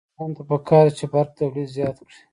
ځوانانو ته پکار ده چې، برق تولید زیات کړي.